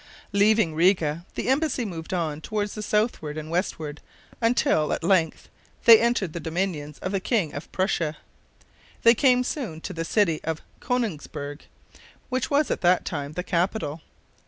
Leaving Riga, the embassy moved on toward the southward and westward until, at length, they entered the dominions of the King of Prussia. They came soon to the city of Konigsberg, which was at that time the capital.